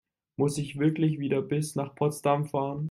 Muss ich wirklich wieder bis nach Potsdam fahren?